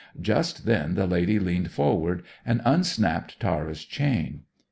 Just then the lady leaned forward and unsnapped Tara's chain.